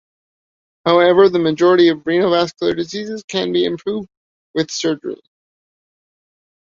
However, the majority of renovascular diseases can be improved with surgery.